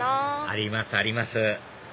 ありますあります